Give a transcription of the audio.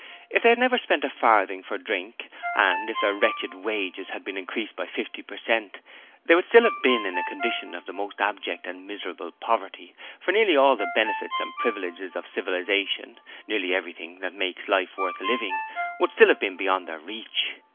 If they had never spent a farthing for drink, and if their wretched wages had been increased fifty percent, they would still have been in a condition of the most abject and miserable poverty, for nearly all the benefits and privileges of civilization, nearly everything that makes life worth living, would still have been beyond their reach.